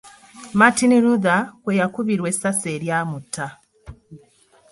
Martin Luther kwe yakubirwa essasi eryamutta.